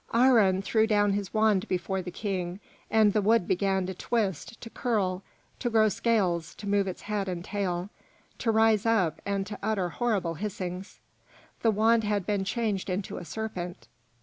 Aharon threw down his wand before the King, and the wood began to twist, to curl, to grow scales, to move its head and tail, to rise up, and to utter horrible hissings: the wand had been changed into a serpent.